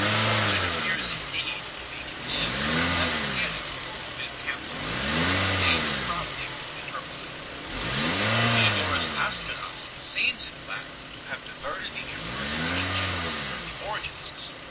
Origen appears indeed to be condemned in the eleventh canon of the Fifth Council, but the name is probably interpolated 8 . Theodorus Ascidas seems in fact to have diverted the emperor s attention from the Origen 1 See p. 301. 2 Cyril Scyth. Vita S, Sdbac, c.